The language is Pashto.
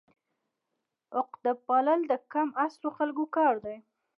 عقده پالل د کم اصلو خلکو کار دی.